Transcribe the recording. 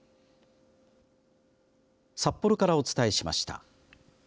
札幌からお伝えしました。